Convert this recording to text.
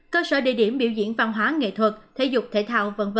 cơ sở địa điểm biểu diễn văn hóa nghệ thuật thể dục thể thao v v